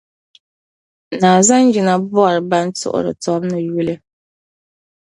Naa Zanjina bɔrila ban tuhiri tobu ni nyuli.